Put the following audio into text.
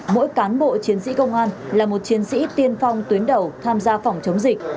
mỗi cán bộ chiến sĩ công an là một chiến sĩ tiên phong tuyến đầu tham gia phòng chống dịch